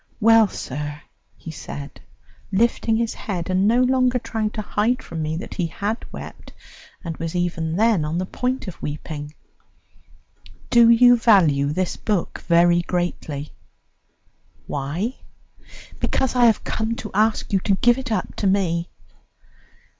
"Well, sir," said he, lifting his head, and no longer trying to hide from me that he had wept and was even then on the point of weeping, "do you value this book very greatly?" "Why?" "Because I have come to ask you to give it up to me."